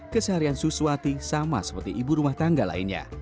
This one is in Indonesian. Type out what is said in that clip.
keseharian suswati sama seperti ibu rumah tangga lainnya